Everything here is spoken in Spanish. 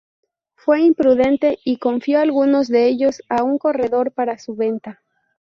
Fue imprudente y confió algunos de ellos a un corredor para su venta.